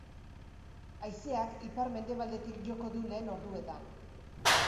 Haizeak ipar-mendebaldetik joko du lehen orduetan.